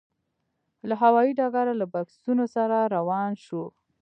له هوايي ډګره له بکسونو سره روان شوو.